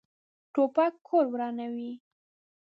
توپک کور ورانوي.